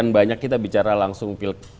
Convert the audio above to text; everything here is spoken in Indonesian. banyak kita bicara langsung